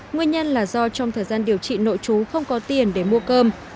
nguyên nhân là do trong thời gian điều trị nội trú không có tiền để mua cơm